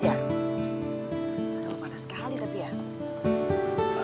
aduh panas sekali tapi ya